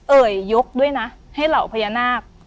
เอ่ยยกด้วยนะให้เหล่าพญานาค